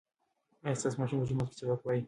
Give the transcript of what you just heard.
ایا ستا ماشوم په جومات کې سبق وایي؟